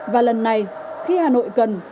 và lần này khi hà nội cần